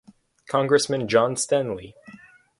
Congressman John Stanly.